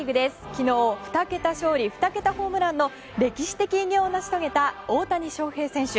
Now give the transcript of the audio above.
昨日、２桁勝利２桁ホームランの歴史的偉業を成し遂げた大谷翔平選手。